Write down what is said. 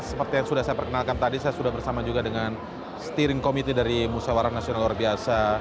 yang sudah saya perkenalkan tadi saya sudah bersama juga dengan steering committee dari musyawaran nasional urbis